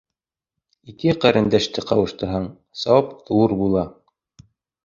Ике ҡәрендәште ҡауыштырһаң, сауап ҙур була.